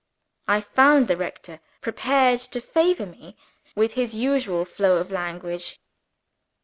I found the rector prepared to favor me with his usual flow of language.